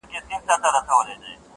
نه به مي قبر چاته معلوم وي -